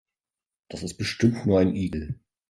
Das ist bestimmt nur ein Igel.